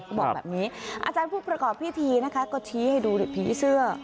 เขาบอกแบบนี้อาจารย์ผู้ประกอบพิธีนะคะก็ชี้ให้ดูดิผีเสื้อ